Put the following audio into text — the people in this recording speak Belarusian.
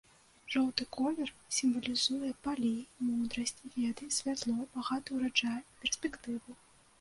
Жоўты колер сімвалізуе палі, мудрасць, веды, святло, багаты ураджай, перспектыву.